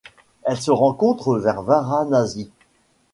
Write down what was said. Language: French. Elle se rencontre vers Varanasi.